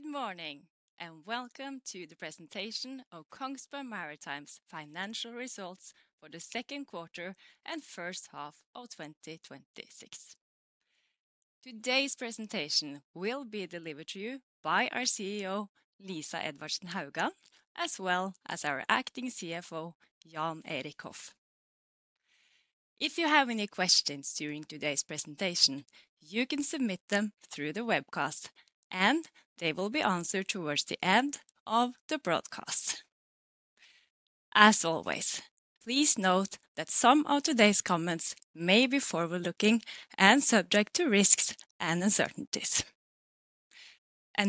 Good morning, welcome to the presentation of Kongsberg Maritime's financial results for the second quarter and first half of 2026. Today's presentation will be delivered to you by our CEO, Lisa Edvardsen Haugan, as well as our Acting CFO, Jan Erik Hoff. If you have any questions during today's presentation, you can submit them through the webcast, and they will be answered towards the end of the broadcast. As always, please note that some of today's comments may be forward-looking and subject to risks and uncertainties.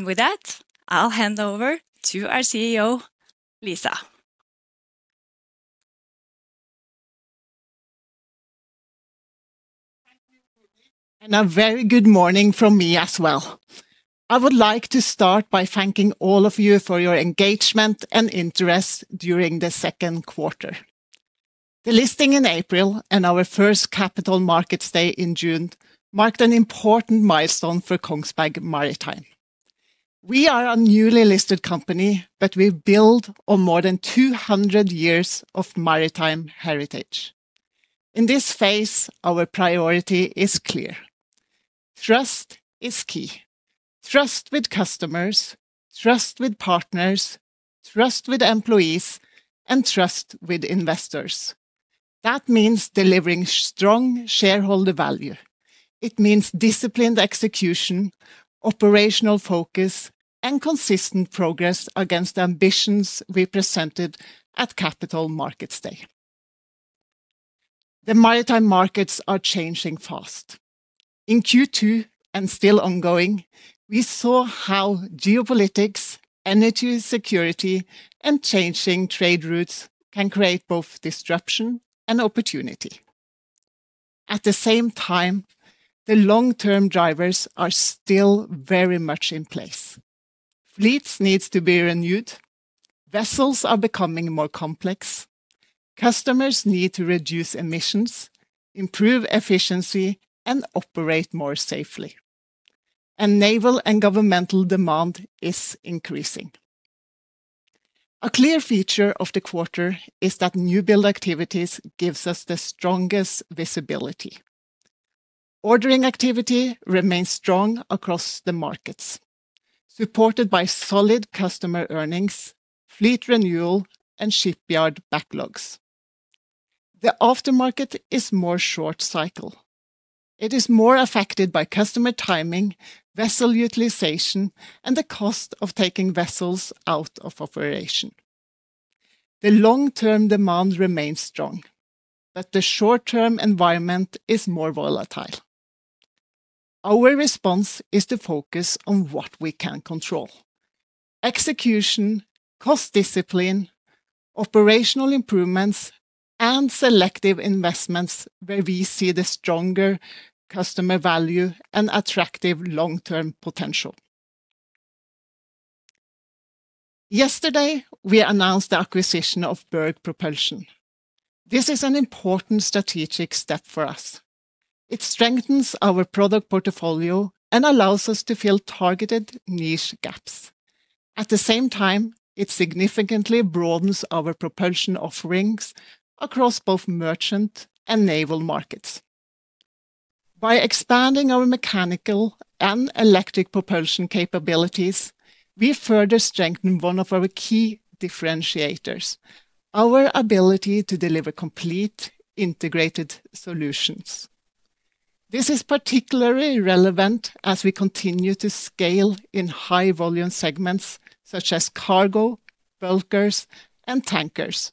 With that, I'll hand over to our CEO, Lisa. Thank you, Runi, a very good morning from me as well. I would like to start by thanking all of you for your engagement and interest during the second quarter. The listing in April and our first Capital Markets Day in June marked an important milestone for Kongsberg Maritime. We are a newly listed company, but we've built on more than 200 years of maritime heritage. In this phase, our priority is clear. Trust is key. Trust with customers, trust with partners, trust with employees, and trust with investors. That means delivering strong shareholder value. It means disciplined execution, operational focus, and consistent progress against the ambitions we presented at Capital Markets Day. The maritime markets are changing fast. In Q2, still ongoing, we saw how geopolitics, energy security, and changing trade routes can create both disruption and opportunity. At the same time, the long-term drivers are still very much in place. Fleets need to be renewed, vessels are becoming more complex, customers need to reduce emissions, improve efficiency, and operate more safely. Naval and governmental demand is increasing. A clear feature of the quarter is that new build activities gives us the strongest visibility. Ordering activity remains strong across the markets, supported by solid customer earnings, fleet renewal, and shipyard backlogs. The aftermarket is more short cycle. It is more affected by customer timing, vessel utilization, and the cost of taking vessels out of operation. The long-term demand remains strong, but the short-term environment is more volatile. Our response is to focus on what we can control: execution, cost discipline, operational improvements, and selective investments where we see the stronger customer value and attractive long-term potential. Yesterday, we announced the acquisition of Berg Propulsion. This is an important strategic step for us. It strengthens our product portfolio and allows us to fill targeted niche gaps. At the same time, it significantly broadens our propulsion offerings across both merchant and naval markets. By expanding our mechanical and electric propulsion capabilities, we further strengthen one of our key differentiators, our ability to deliver complete integrated solutions. This is particularly relevant as we continue to scale in high-volume segments such as cargo, bulkers, and tankers,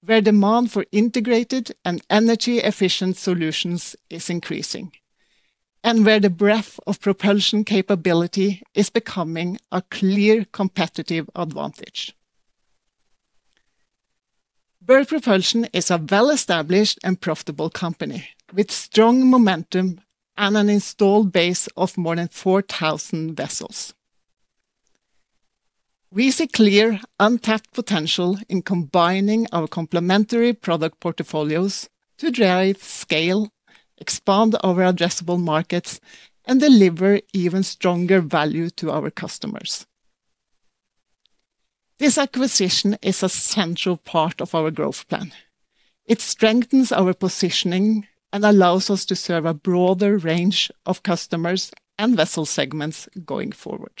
where demand for integrated and energy-efficient solutions is increasing, and where the breadth of propulsion capability is becoming a clear competitive advantage. Berg Propulsion is a well-established and profitable company with strong momentum and an installed base of more than 4,000 vessels. We see clear untapped potential in combining our complementary product portfolios to drive scale, expand our addressable markets, and deliver even stronger value to our customers. This acquisition is a central part of our growth plan. It strengthens our positioning and allows us to serve a broader range of customers and vessel segments going forward.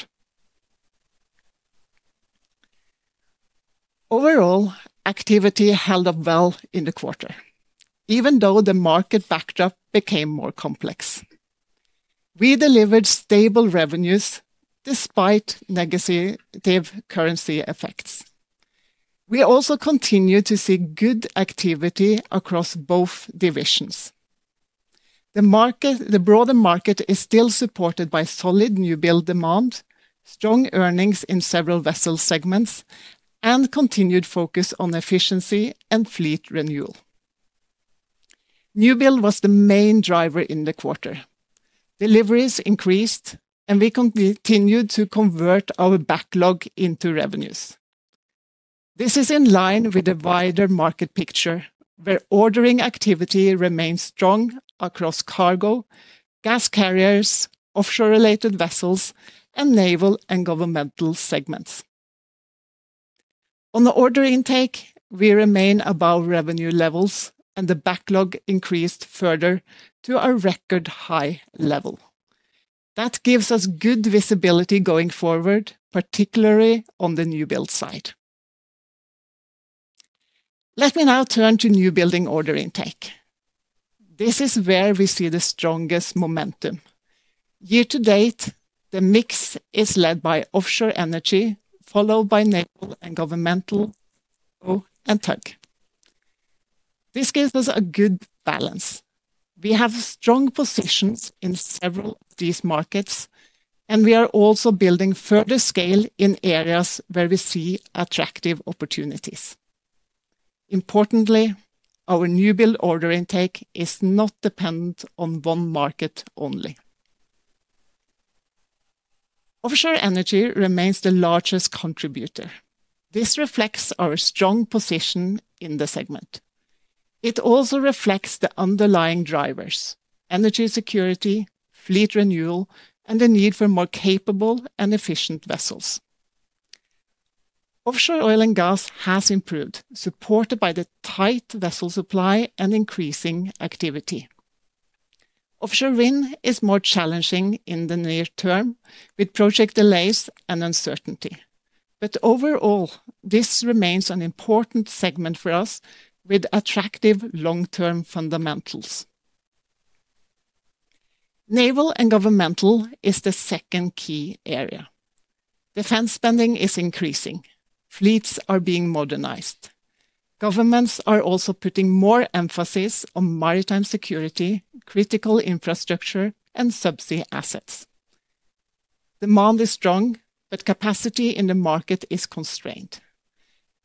Overall, activity held up well in the quarter, even though the market backdrop became more complex. We delivered stable revenues despite negative currency effects. We also continue to see good activity across both divisions. The broader market is still supported by solid new build demand, strong earnings in several vessel segments, and continued focus on efficiency and fleet renewal. New build was the main driver in the quarter. Deliveries increased, and we continued to convert our backlog into revenues. This is in line with the wider market picture, where ordering activity remains strong across cargo, gas carriers, offshore-related vessels, and naval and governmental segments. On the order intake, we remain above revenue levels, and the backlog increased further to a record high level. That gives us good visibility going forward, particularly on the new build side. Let me now turn to new building order intake. This is where we see the strongest momentum. Year to date, the mix is led by Offshore Energy, followed by Naval and Governmental, ro-ro and tug. This gives us a good balance. We have strong positions in several of these markets, and we are also building further scale in areas where we see attractive opportunities. Importantly, our new build order intake is not dependent on one market only. Offshore Energy remains the largest contributor. This reflects our strong position in the segment. It also reflects the underlying drivers: energy security, fleet renewal, and the need for more capable and efficient vessels. Offshore oil and gas has improved, supported by the tight vessel supply and increasing activity. Offshore wind is more challenging in the near term, with project delays and uncertainty. Overall, this remains an important segment for us with attractive long-term fundamentals. Naval and Governmental is the second key area. Defense spending is increasing. Fleets are being modernized. Governments are also putting more emphasis on maritime security, critical infrastructure, and subsea assets. Demand is strong, but capacity in the market is constrained.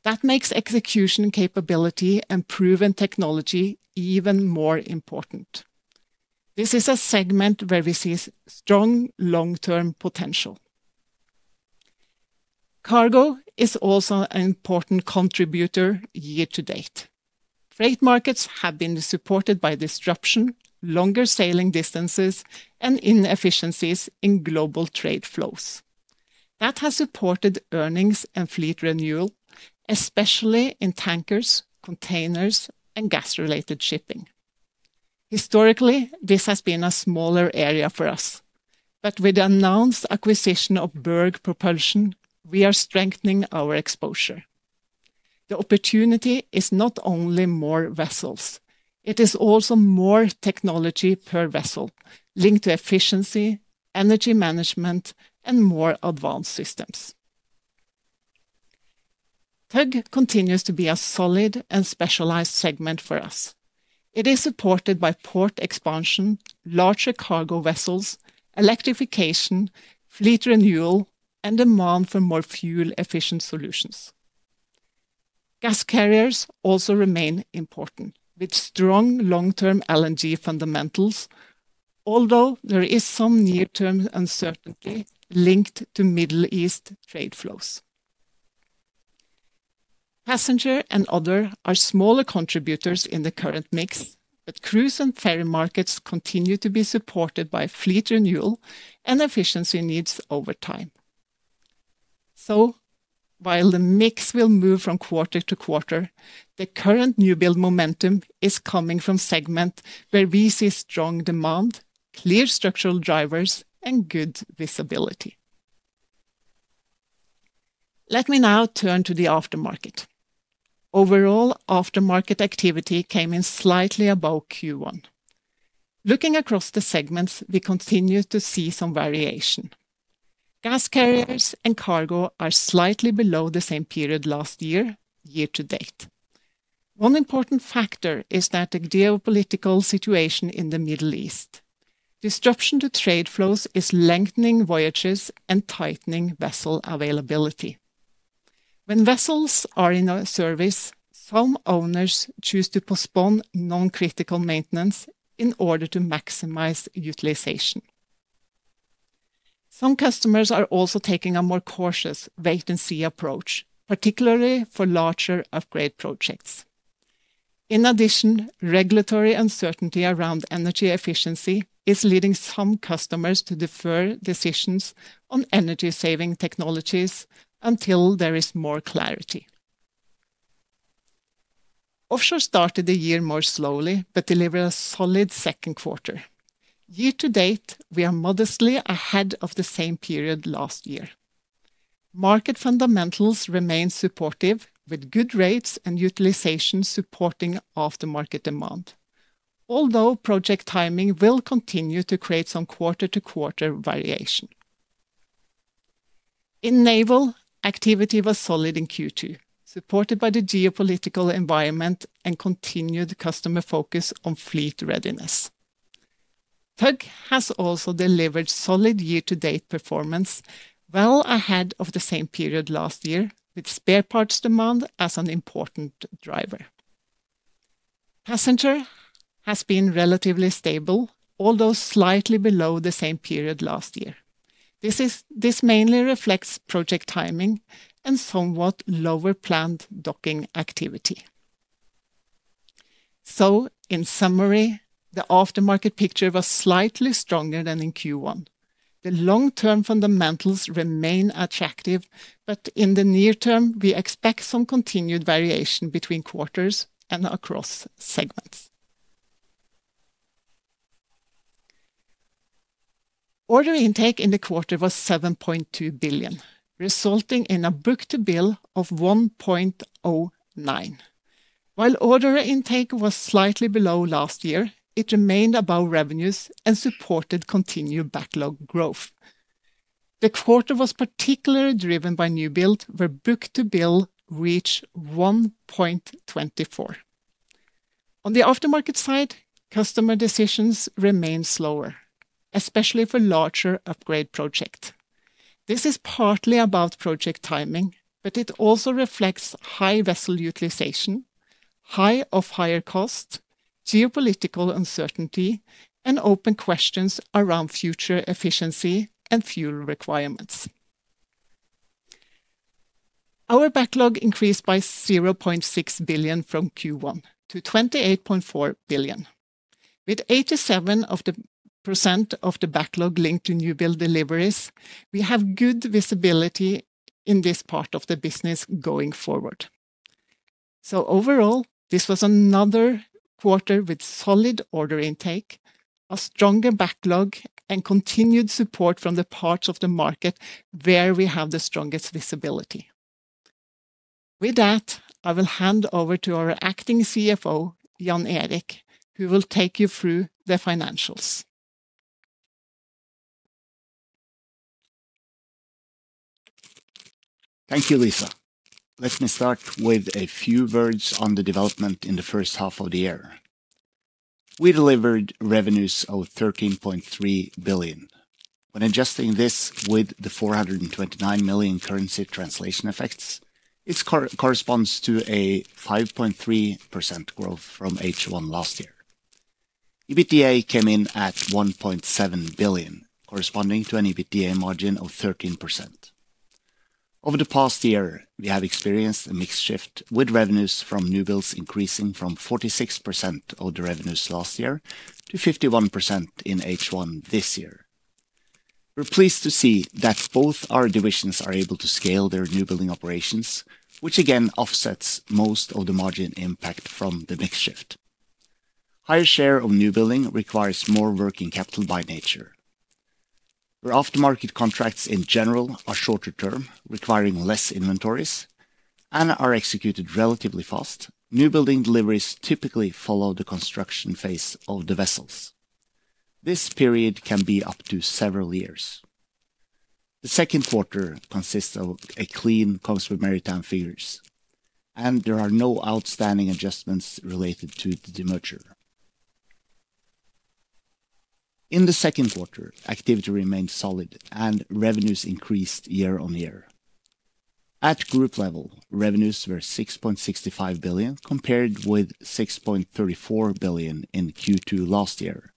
That makes execution capability and proven technology even more important. This is a segment where we see strong long-term potential. Cargo is also an important contributor year to date. Freight markets have been supported by disruption, longer sailing distances, and inefficiencies in global trade flows. That has supported earnings and fleet renewal, especially in tankers, containers, and gas-related shipping. Historically, this has been a smaller area for us, with the announced acquisition of Berg Propulsion, we are strengthening our exposure. The opportunity is not only more vessels, it is also more technology per vessel linked to efficiency, energy management, and more advanced systems. Tug continues to be a solid and specialized segment for us. It is supported by port expansion, larger cargo vessels, electrification, fleet renewal, and demand for more fuel-efficient solutions. Gas carriers also remain important, with strong long-term LNG fundamentals, although there is some near-term uncertainty linked to Middle East trade flows. Passenger and other are smaller contributors in the current mix, cruise and ferry markets continue to be supported by fleet renewal and efficiency needs over time. While the mix will move from quarter to quarter, the current new build momentum is coming from segment where we see strong demand, clear structural drivers, and good visibility. Let me now turn to the aftermarket. Overall aftermarket activity came in slightly above Q1. Looking across the segments, we continue to see some variation. Gas carriers and cargo are slightly below the same period last year-to-date. One important factor is that the geopolitical situation in the Middle East. Disruption to trade flows is lengthening voyages and tightening vessel availability. When vessels are in a service, some owners choose to postpone non-critical maintenance in order to maximize utilization. Some customers are also taking a more cautious wait-and-see approach, particularly for larger upgrade projects. In addition, regulatory uncertainty around energy efficiency is leading some customers to defer decisions on energy-saving technologies until there is more clarity. Offshore started the year more slowly, delivered a solid second quarter. Year-to-date, we are modestly ahead of the same period last year. Market fundamentals remain supportive, with good rates and utilization supporting aftermarket demand. Although project timing will continue to create some quarter-to-quarter variation. In naval, activity was solid in Q2, supported by the geopolitical environment and continued customer focus on fleet readiness. Tug has also delivered solid year-to-date performance, well ahead of the same period last year, with spare parts demand as an important driver. Passenger has been relatively stable, although slightly below the same period last year. This mainly reflects project timing and somewhat lower planned docking activity. In summary, the aftermarket picture was slightly stronger than in Q1. The long-term fundamentals remain attractive, in the near term, we expect some continued variation between quarters and across segments. Order intake in the quarter was 7.2 billion, resulting in a book-to-bill of 1.09. While order intake was slightly below last year, it remained above revenues and supported continued backlog growth. The quarter was particularly driven by new build, where book-to-bill reached 1.24. On the aftermarket side, customer decisions remain slower, especially for larger upgrade project. This is partly about project timing, but it also reflects high vessel utilization, higher cost, geopolitical uncertainty, and open questions around future efficiency and fuel requirements. Our backlog increased by 0.6 billion from Q1 to 28.4 billion. With 87% of the backlog linked to new build deliveries, we have good visibility in this part of the business going forward. Overall, this was another quarter with solid order intake, a stronger backlog, and continued support from the parts of the market where we have the strongest visibility. With that, I will hand over to our Acting CFO, Jan Erik, who will take you through the financials. Thank you, Lisa. Let me start with a few words on the development in the first half of the year. We delivered revenues of 13.3 billion. When adjusting this with the 429 million currency translation effects, it corresponds to a 5.3% growth from H1 last year. EBITDA came in at 1.7 billion, corresponding to an EBITDA margin of 13%. Over the past year, we have experienced a mix shift with revenues from new builds increasing from 46% of the revenues last year to 51% in H1 this year. We're pleased to see that both our divisions are able to scale their new building operations, which again offsets most of the margin impact from the mix shift. Higher share of new building requires more working capital by nature, where aftermarket contracts in general are shorter term, requiring less inventories and are executed relatively fast. New building deliveries typically follow the construction phase of the vessels. This period can be up to several years. The second quarter consists of a clean Kongsberg Maritime figures, and there are no outstanding adjustments related to the demerger. In the second quarter, activity remained solid and revenues increased year-on-year. At group level, revenues were 6.65 billion, compared with 6.34 billion in Q2 last year.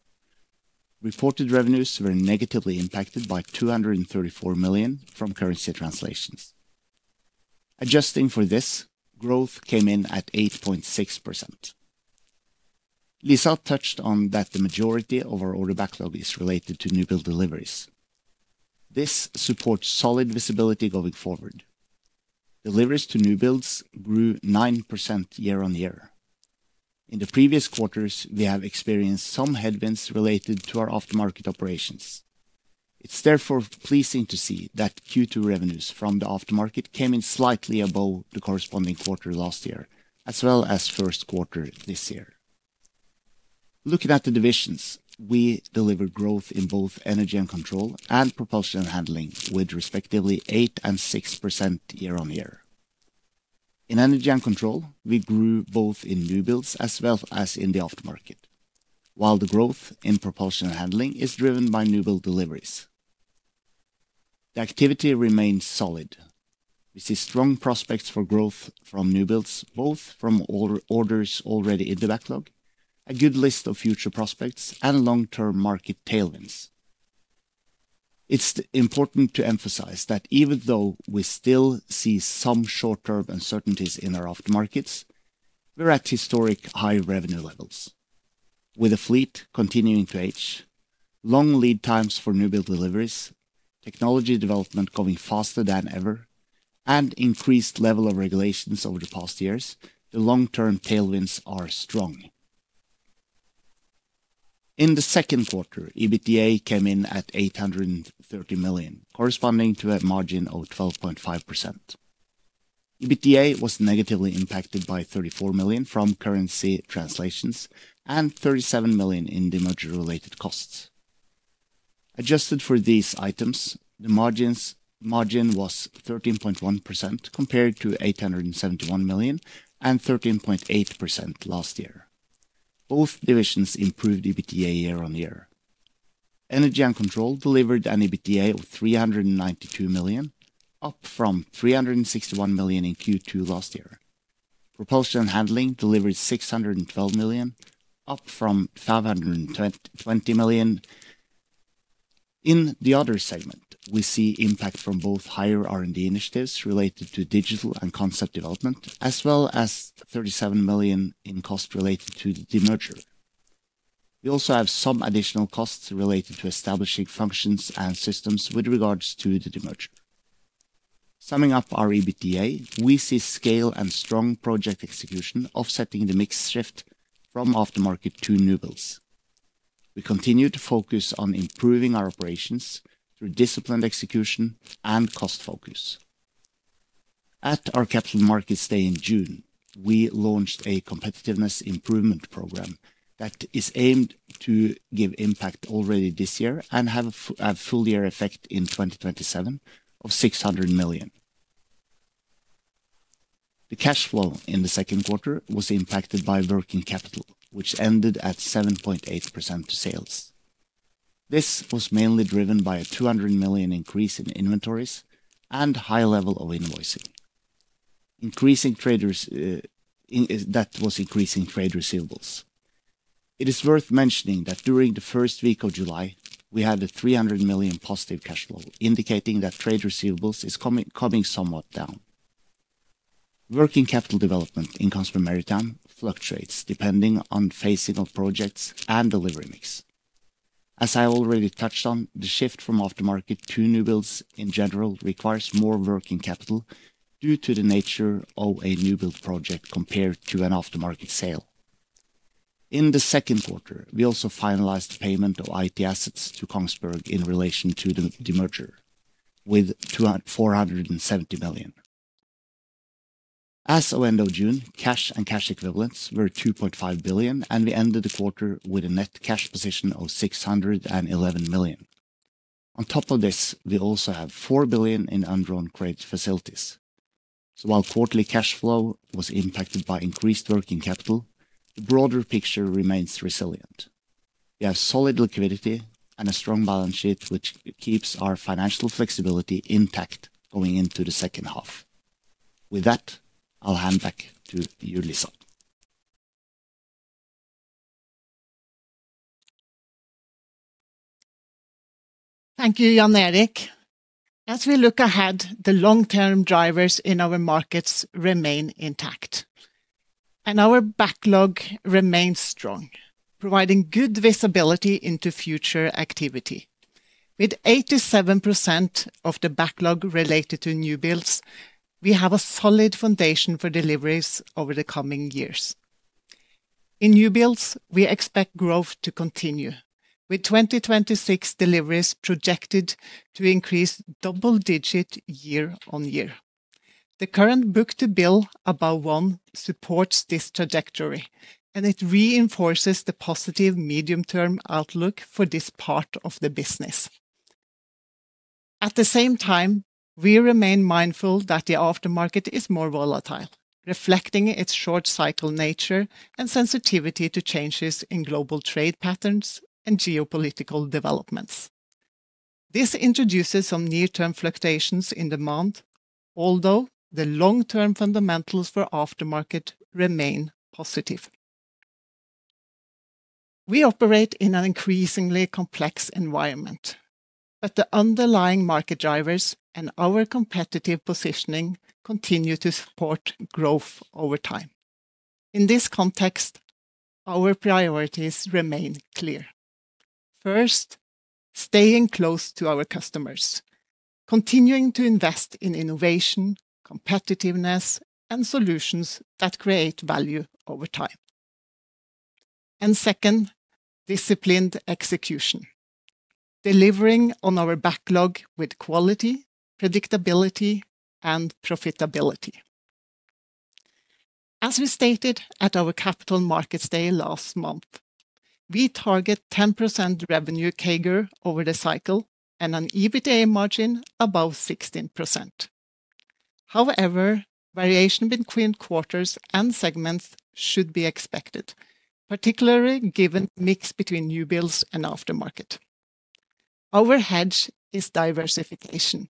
Reported revenues were negatively impacted by 234 million from currency translations. Adjusting for this, growth came in at 8.6%. Lisa touched on that the majority of our order backlog is related to new build deliveries. This supports solid visibility going forward. Deliveries to new builds grew 9% year-on-year. In the previous quarters, we have experienced some headwinds related to our aftermarket operations. It's therefore pleasing to see that Q2 revenues from the aftermarket came in slightly above the corresponding quarter last year, as well as first quarter this year. Looking at the divisions, we delivered growth in both Energy & Control and Propulsion & Handling with respectively 8% and 6% year-on-year. In Energy & Control, we grew both in new builds as well as in the aftermarket. While the growth in Propulsion & Handling is driven by new build deliveries. The activity remains solid. We see strong prospects for growth from new builds, both from orders already in the backlog, a good list of future prospects, and long-term market tailwinds. It's important to emphasize that even though we still see some short-term uncertainties in our aftermarkets, we're at historic high revenue levels. With the fleet continuing to age, long lead times for new-build deliveries, technology development coming faster than ever, and increased level of regulations over the past years, the long-term tailwinds are strong. In the second quarter, EBITDA came in at 830 million, corresponding to a margin of 12.5%. EBITDA was negatively impacted by 34 million from currency translations and 37 million in demerger-related costs. Adjusted for these items, the margin was 13.1% compared to 871 million and 13.8% last year. Both divisions improved EBITDA year-on-year. Energy & Control delivered an EBITDA of 392 million, up from 361 million in Q2 last year. Propulsion & Handling delivered 612 million, up from 520 million. In the other segment, we see impact from both higher R&D initiatives related to digital and concept development, as well as 37 million in cost related to the demerger. We also have some additional costs related to establishing functions and systems with regards to the demerger. Summing up our EBITDA, we see scale and strong project execution offsetting the mix shift from aftermarket to newbuilds. We continue to focus on improving our operations through disciplined execution and cost focus. At our Capital Markets Day in June, we launched a Competitiveness Improvement Program that is aimed to give impact already this year and have a full year effect in 2027 of 600 million. The cash flow in the second quarter was impacted by working capital, which ended at 7.8% to sales. This was mainly driven by a 200 million increase in inventories and high level of invoicing. That was increasing trade receivables. It is worth mentioning that during the first week of July, we had a 300 million positive cash flow, indicating that trade receivables is coming somewhat down. Working capital development in Kongsberg Maritime fluctuates depending on phasing of projects and delivery mix. As I already touched on, the shift from aftermarket to newbuilds in general requires more working capital due to the nature of a newbuild project compared to an aftermarket sale. In the second quarter, we also finalized the payment of IT assets to Kongsberg in relation to the demerger with 470 million. As of end of June, cash and cash equivalents were 2.5 billion, and we ended the quarter with a net cash position of 611 million. On top of this, we also have 4 billion in undrawn credit facilities. While quarterly cash flow was impacted by increased working capital, the broader picture remains resilient. We have solid liquidity and a strong balance sheet, which keeps our financial flexibility intact going into the second half. With that, I'll hand back to you, Lisa. Thank you, Jan Erik. As we look ahead, the long-term drivers in our markets remain intact, and our backlog remains strong, providing good visibility into future activity. With 87% of the backlog related to newbuilds, we have a solid foundation for deliveries over the coming years. In newbuilds, we expect growth to continue, with 2026 deliveries projected to increase double-digit year-on-year. The current book-to-bill above one supports this trajectory, and it reinforces the positive medium-term outlook for this part of the business. At the same time, we remain mindful that the aftermarket is more volatile, reflecting its short cycle nature and sensitivity to changes in global trade patterns and geopolitical developments. This introduces some near-term fluctuations in demand, although the long-term fundamentals for aftermarket remain positive. We operate in an increasingly complex environment, the underlying market drivers and our competitive positioning continue to support growth over time. In this context, our priorities remain clear. First, staying close to our customers, continuing to invest in innovation, competitiveness, and solutions that create value over time. Second, disciplined execution, delivering on our backlog with quality, predictability, and profitability. As we stated at our Capital Markets Day last month, we target 10% revenue CAGR over the cycle and an EBITDA margin above 16%. However, variation between quarters and segments should be expected, particularly given mix between newbuilds and aftermarket. Our hedge is diversification,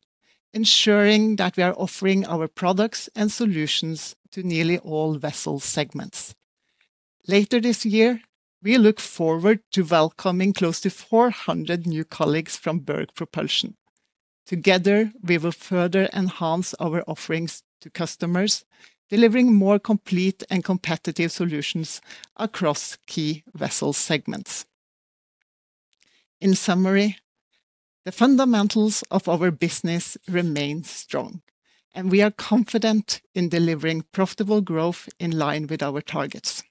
ensuring that we are offering our products and solutions to nearly all vessel segments. Later this year, we look forward to welcoming close to 400 new colleagues from Berg Propulsion. Together, we will further enhance our offerings to customers, delivering more complete and competitive solutions across key vessel segments. In summary, the fundamentals of our business remain strong, we are confident in delivering profitable growth in line with our targets.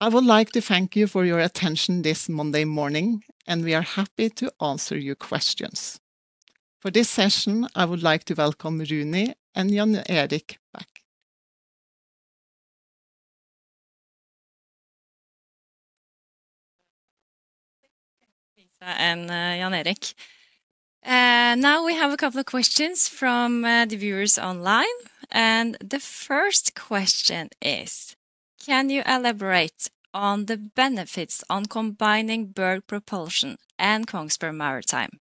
I would like to thank you for your attention this Monday morning, we are happy to answer your questions. For this session, I would like to welcome Runi and Jan Erik back. Jan Erik. Now we have a couple of questions from the viewers online, the first question is: can you elaborate on the benefits on combining Berg Propulsion and Kongsberg Maritime?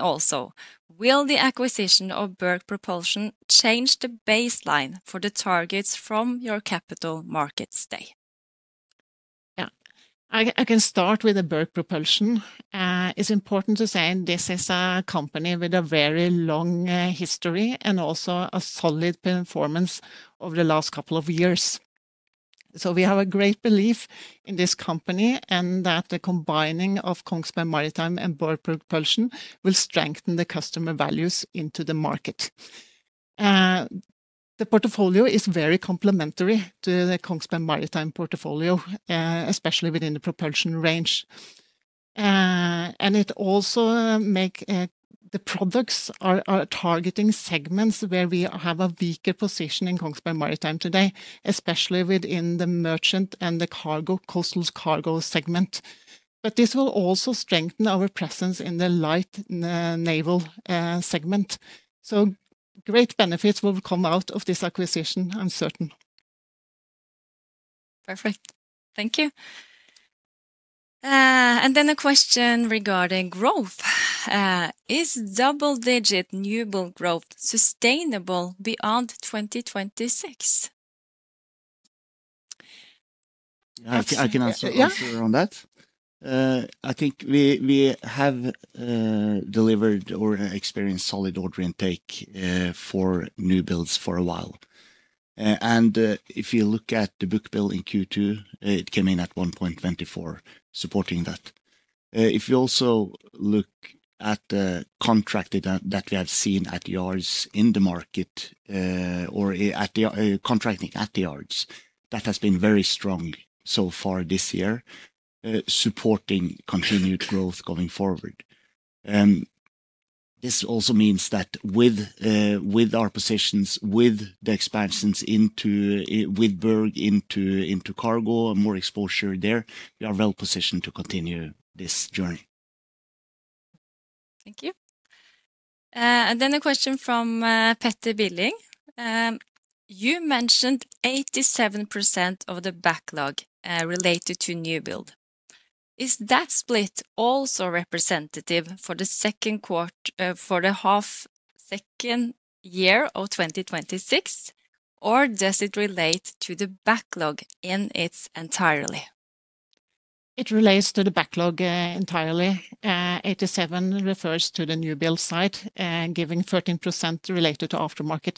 Also, will the acquisition of Berg Propulsion change the baseline for the targets from your Capital Markets Day? Yeah. I can start with the Berg Propulsion. It's important to say this is a company with a very long history and also a solid performance over the last couple of years. We have a great belief in this company, that the combining of Kongsberg Maritime and Berg Propulsion will strengthen the customer values into the market. The portfolio is very complementary to the Kongsberg Maritime portfolio, especially within the propulsion range. The products are targeting segments where we have a weaker position in Kongsberg Maritime today, especially within the merchant and the coastal cargo segment. This will also strengthen our presence in the light naval segment. Great benefits will come out of this acquisition, I'm certain. Perfect. Thank you. A question regarding growth. Is double-digit newbuild growth sustainable beyond 2026? I can answer on that. I think we have delivered or experienced solid order intake for new builds for a while. If you look at the book-to-bill in Q2, it came in at 1.24, supporting that. You also look at the contracting that we have seen at yards in the market or contracting at the yards, that has been very strong so far this year, supporting continued growth going forward. Also means that with our positions, with the expansions with Berg into cargo and more exposure there, we are well positioned to continue this journey. Thank you. Then a question from Peter Billing. You mentioned 87% of the backlog related to new build. Is that split also representative for the second half of year 2026? Or does it relate to the backlog in its entirety? It relates to the backlog entirety. 87 refers to the new build side, giving 13% related to aftermarket.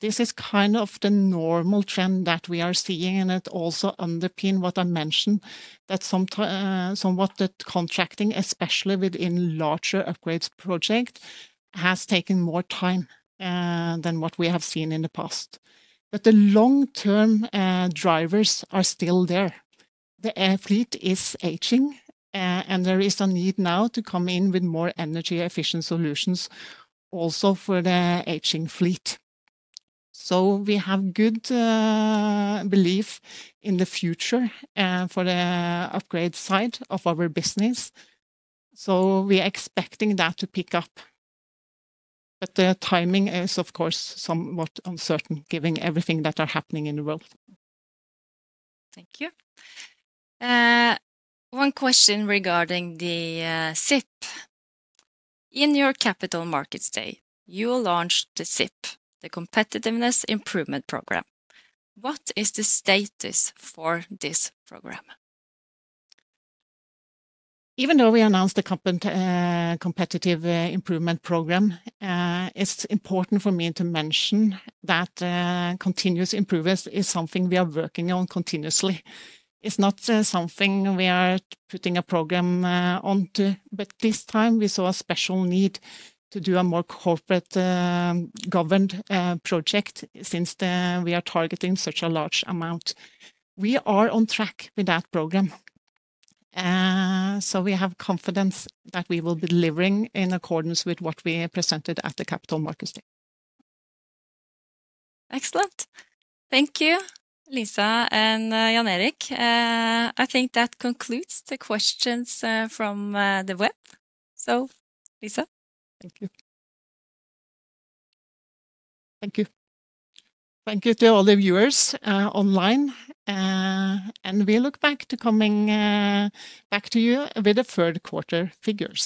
Is kind of the normal trend that we are seeing, it also underpin what I mentioned, that somewhat the contracting, especially within larger upgrades project, has taken more time than what we have seen in the past. The long-term drivers are still there. The fleet is aging, and there is a need now to come in with more energy-efficient solutions also for the aging fleet. We have good belief in the future for the upgrade side of our business. We are expecting that to pick up. The timing is, of course, somewhat uncertain given everything that are happening in the world. Thank you. One question regarding the CIP. In your Capital Markets Day, you launched the CIP, the Competitiveness Improvement Program. What is the status for this program? Even though we announced the Competitiveness Improvement Program, it's important for me to mention that continuous improvement is something we are working on continuously. It's not something we are putting a program onto, but this time we saw a special need to do a more corporate-governed project since we are targeting such a large amount. We are on track with that program. We have confidence that we will be delivering in accordance with what we presented at the Capital Markets Day. Excellent. Thank you, Lisa and Jan Erik. I think that concludes the questions from the web. Lisa? Thank you. Thank you to all the viewers online, and we look back to coming back to you with the third quarter figures.